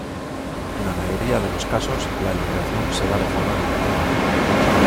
En la mayoría de los casos la elongación se da de forma bilateral.